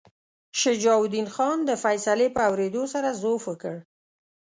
شجاع الدین خان د فیصلې په اورېدو سره ضعف وکړ.